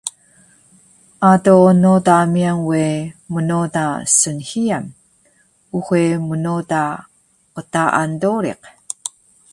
Ado noda miyan we mnoda snhiyan, uxe mnoda qtaan doriq